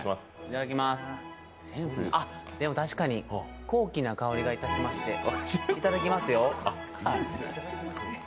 でも確かに高貴な香りがいたしまして、いただきますよ。